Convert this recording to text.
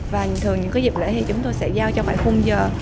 và thường những dịp lễ thì chúng tôi sẽ giao cho khoảng khung giờ